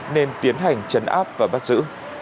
nên tiến hành chấn áp và bắt giữ